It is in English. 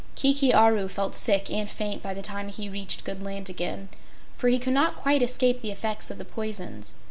Kiki Aru felt sick and faint by the time he reached good land again, for he could not quite escape the effects of the poisons.